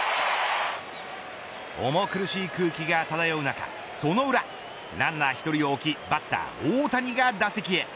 重苦しい空気が漂う中、その裏ランナー１人を置きバッター大谷が打席へ。